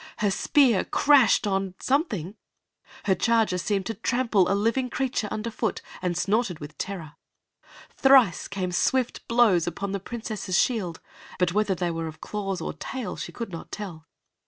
Her spear crashed on something; her charger seemed to trample a living creature under foot, and snorted with terror. Thrice came swift blows upon the Princess's shield, but whether they were of claws or tail, she could not tell.